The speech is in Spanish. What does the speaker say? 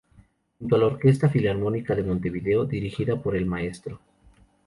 Junto a la Orquesta Filarmónica de Montevideo dirigida por el Mtro.